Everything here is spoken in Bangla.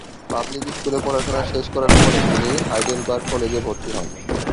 পাবলিক স্কুলে পড়াশোনা শেষ করার পরে তিনি হাইডেলবার্গ কলেজে ভর্তি হন।